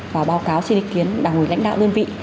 và báo cáo xin ý kiến đảng quỷ lãnh đạo dân vị